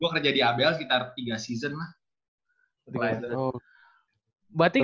gue kerja di abl sekitar tiga season